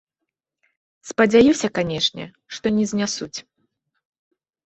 Спадзяюся, канешне, што не знясуць.